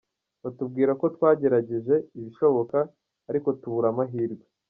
Batubwira ko twagerageje ibishoboka, ariko tubura amahirwe.